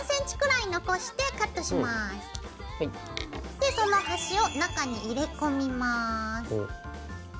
で出てるでその端を中に入れ込みます。